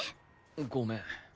ごめん。